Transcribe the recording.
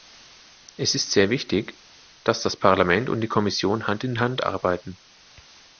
Es ist sehr wichtig, dass das Parlament und die Kommission Hand in Hand arbeiten.